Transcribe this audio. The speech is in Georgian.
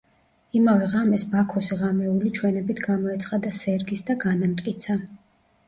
იმავე ღამეს ბაქოსი ღამეული ჩვენებით გამოეცხადა სერგის და განამტკიცა.